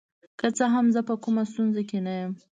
که څه هم زه په کومه ستونزه کې نه یم.